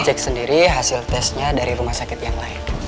cek sendiri hasil tesnya dari rumah sakit yang lain